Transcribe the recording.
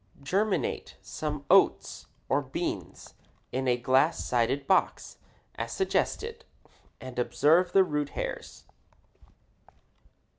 Germinate some oats or beans in a glass sided box, as suggested, and observe the root hairs.